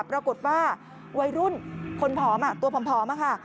ปรากฏว่าวัยรุ่นตัวผอมอะค่ะ